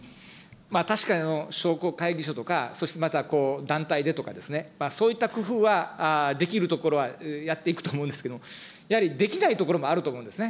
確かに商工会議所とか、そしてまた団体でとか、そういった工夫はできるところはやっていくと思うんですけど、やはりできないところもあると思うんですね。